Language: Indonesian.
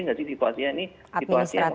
nggak sih situasinya ini situasi yang